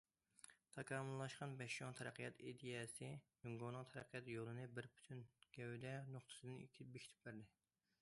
تاكامۇللاشقان بەش چوڭ تەرەققىيات ئىدىيەسى جۇڭگونىڭ تەرەققىيات يولىنى بىر پۈتۈن گەۋدە نۇقتىسىدىن بېكىتىپ بەردى.